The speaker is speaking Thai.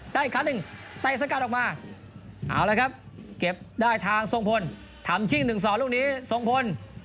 ได้คราธิ์๑ตะสกัดออกมาเอาเลยครับเก็บได้ทางส่งพลทำชิ่งถึงส่อลุกนี้ส่งพล